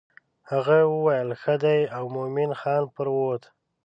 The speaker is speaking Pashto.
هغې وویل ښه دی او مومن خان پر ووت.